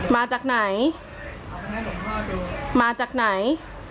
มาจากไหนมาจากไหน